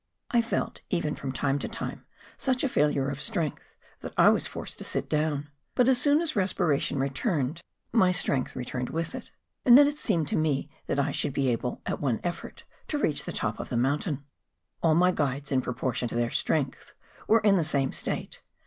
I felt even from time to tinae such a failure of strength that I was forced to sit down; but as soon as respiration returned my strength MONT BLANC. 7 returned with it; and then it seemed to me that I should be able at one effort to reach the top of the mountain. All my guides, in proportion to their strength, were in the same state.